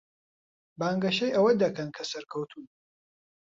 بانگەشەی ئەوە دەکەن کە سەرکەوتوون.